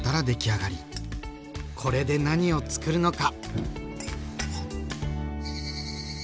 これで何をつくるのか！